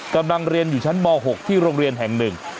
กำลังเรียนอยู่ชั้นม๖ที่โรงเรียนแห่งหนึ่ง